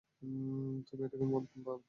তুমি এটাকে মদ ভাবতে পারো।